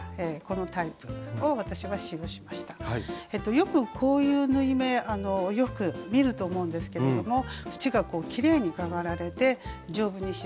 よくこういう縫い目お洋服で見ると思うんですけれども縁がきれいにかがられて丈夫に仕上がります。